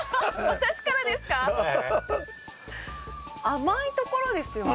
甘いところですよね。